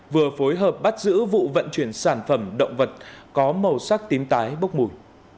vừa phối hợp bắt giữ vụ vận chuyển sản phẩm động vật có màu sắc tím tái bốc mùi